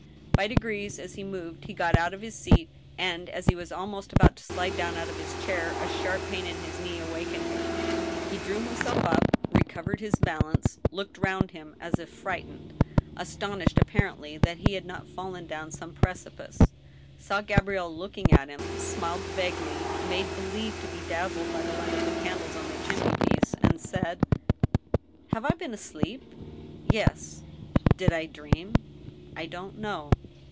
By degrees as he moved, he got out of his seat, and, as he was almost about to slide down out of his chair, a sharp pain in his knee awakened him. He drew himself up, recovered his balance, looked round him as if frightened, astonished apparently that he had not fallen down some precipice, saw Gabrielle looking at him, smiled vaguely, made believe to be dazzled by the light of the candies on the chimney piece, and said :" Have I been asleep ?" "Yes." "Did I dream?" " I don't know."